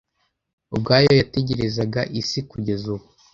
Ubwayo yatekerezaga isi kugeza ubu